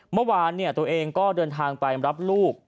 เมื่อวานตัวเองก็เดินทางไปรับลูก